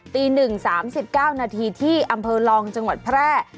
ตี๑๓๙นาทีที่อำเภอลองจังหวัดแพร่